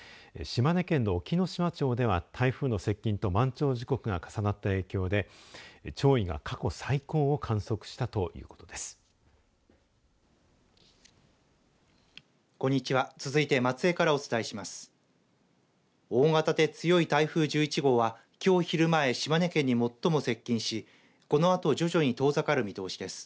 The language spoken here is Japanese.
島根県の隠岐の島町では台風の接近と満潮時刻が重なった影響で潮位が過去最高を観測したということです。